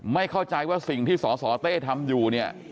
ไม่เข้าใจว่าสิ่งที่สสเต้ทำอยู่เนี่ย